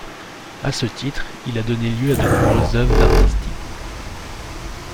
À ce titre, il a donné lieu à de nombreuses œuvres artistiques.